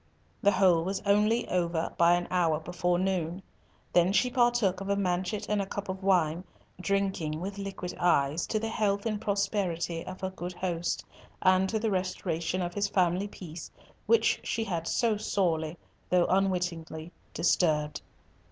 The whole was only over by an hour before noon. Then she partook of a manchet and a cup of wine, drinking, with liquid eyes, to the health and prosperity of her good host, and to the restoration of his family peace, which she had so sorely, though unwittingly, disturbed.